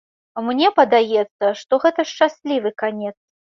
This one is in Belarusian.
Мне падаецца, што гэта шчаслівы канец.